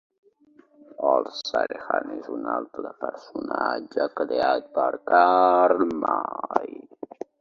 Old Surehand és un altre personatge creat per Karl May.